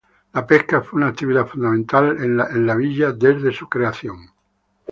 La pesca fue una actividad fundamental en el villa desde su creación.